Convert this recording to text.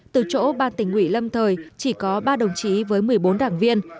từ chỗ ba tỉnh ủy lâm thời chỉ có ba đồng chí với một mươi bốn đảng viên